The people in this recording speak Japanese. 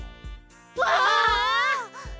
わあ！